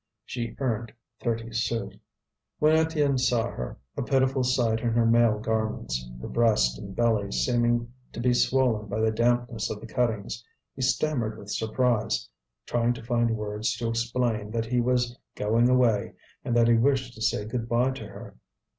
She earned thirty sous. When Étienne saw her, a pitiful sight in her male garments her breast and belly seeming to be swollen by the dampness of the cuttings he stammered with surprise, trying to find words to explain that he was going away and that he wished to say good bye to her.